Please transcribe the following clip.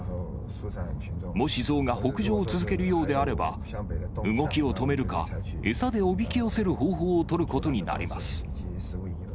もしゾウが北上を続けるようであれば、動きを止めるか、餌でおびき寄せる方法を取ることになります。